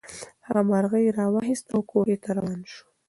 هغه مرغۍ راواخیسته او کوټې ته روان شو.